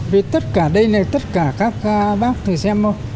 vì tất cả đây này tất cả các bác thầy xem không